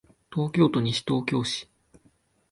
東京都西東京市